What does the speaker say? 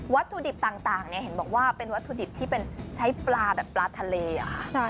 ถุดิบต่างเนี่ยเห็นบอกว่าเป็นวัตถุดิบที่เป็นใช้ปลาแบบปลาทะเลเหรอคะ